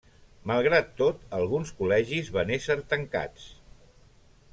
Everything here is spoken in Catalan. Malgrat tot, alguns col·legis van ésser tancats.